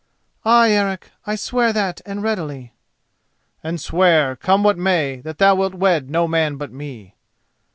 "Ay, Eric, I swear that and readily." "And swear, come what may, that thou wilt wed no man but me."